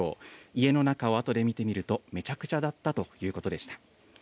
家の中をあとで見てみると、めちゃくちゃだったということでした。